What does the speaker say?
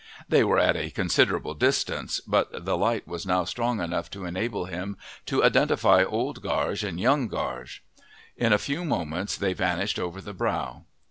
They were at a considerable distance, but the light was now strong enough to enable him to identify Old Gaarge and Young Gaarge. In a few moments they vanished over the brow.